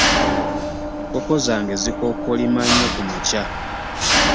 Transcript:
Enkoko zange zikokolima nnyo kumakya.